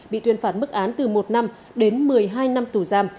bị tuyên phạt mức án từ một năm đến một mươi hai năm tù giam